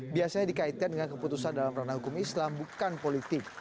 biasanya dikaitkan dengan keputusan dalam ranah hukum islam bukan politik